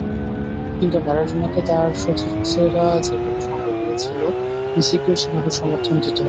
কিন্তু ম্যারাডোনাকে তার সতীর্থেরা যেভাবে সঙ্গ দিয়েছিল, মেসিকেও সেভাবে সমর্থন দিতে হবে।